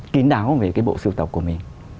kín đáo về cái bộ siêu tập của mình